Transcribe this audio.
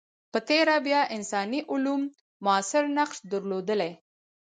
په تېره بیا انساني علوم موثر نقش درلودلی.